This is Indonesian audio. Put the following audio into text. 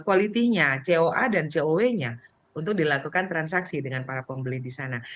kualitinya coa dan coe nya untuk dilakukan transaksi dengan para pembeli di sana